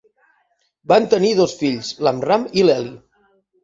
Van tenir dos fills: l'Amram i l'Eli.